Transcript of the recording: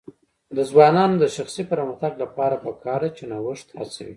د ځوانانو د شخصي پرمختګ لپاره پکار ده چې نوښت هڅوي.